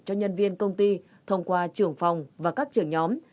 cho nhân viên công ty thông qua trưởng phòng và các trưởng nhóm